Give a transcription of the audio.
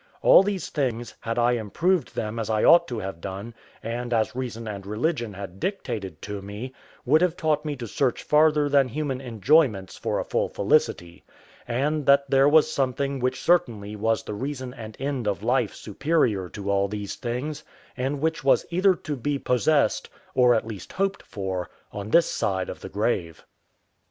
All these things, had I improved them as I ought to have done, and as reason and religion had dictated to me, would have taught me to search farther than human enjoyments for a full felicity; and that there was something which certainly was the reason and end of life superior to all these things, and which was either to be possessed, or at least hoped for, on this side of the grave.